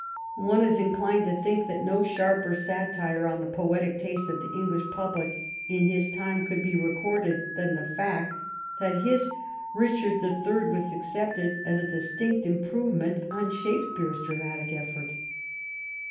One is inclined to think that no sharper satire on the poetic taste of the English public in his time could be recorded than the fact that his " Eichard the Third " was accepted as a distinct improvement on Shakespeare's dramatic effort.